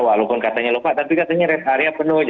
walaupun katanya lupa tapi katanya rest area penuh